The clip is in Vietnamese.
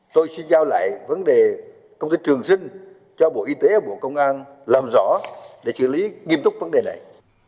tôi xin giao lại vấn đề công ty trường sinh cho bộ y tế và bộ công an làm rõ để xử lý nghiêm túc vấn đề này